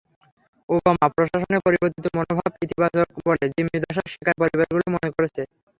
Obama প্রশাসনের পরিবর্তিত মনোভাব ইতিবাচক বলে জিম্মি দশার শিকার পরিবারগুলো মনে করছে।